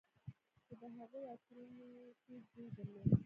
خو د هغوى عطرونو تېز بوى درلود.